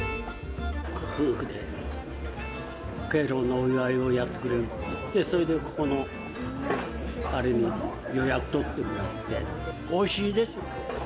夫婦で敬老のお祝いをやってくれるって言って、それでここのあれの予約を取ってもらって。